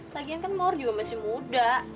lagian kan mour juga masih muda